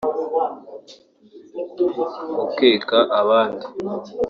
gukeka abandi